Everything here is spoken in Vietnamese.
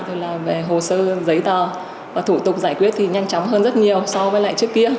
thì là về hồ sơ giấy tờ và thủ tục giải quyết thì nhanh chóng hơn rất nhiều so với lại trước kia